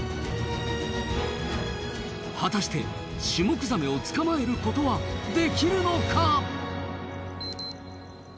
果たしてシュモクザメを捕まえることはできるのか！？